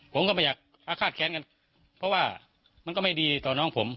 ผมก็ไม่อยากอาฆาตแค้นกันเพราะว่ามันก็ไม่ดีต่อน้องผม